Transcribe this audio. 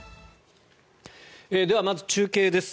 ではまず中継です。